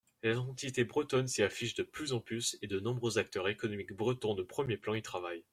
L’identité bretonne s’y affiche de plus en plus et de nombreux acteurs économiques bretons de premiers plans y travaillent.